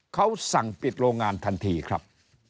เขาสั่งปิดโรงงานทันทีครับ